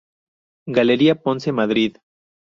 Galería Ponce, Madrid.